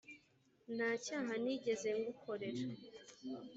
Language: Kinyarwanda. nta cyaha nigeze ngukorera